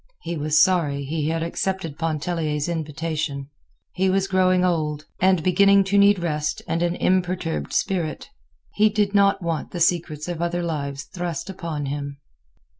He was sorry he had accepted Pontellier's invitation. He was growing old, and beginning to need rest and an imperturbed spirit. He did not want the secrets of other lives thrust upon him.